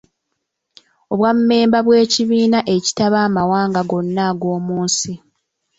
Obwammemba bw’ekibiina ekitaba amawanga gonna ag’omu nsi.